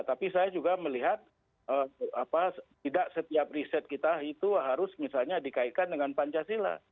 tapi saya juga melihat tidak setiap riset kita itu harus misalnya dikaitkan dengan pancasila